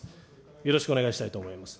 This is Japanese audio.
よろしくお願いしたいと思います。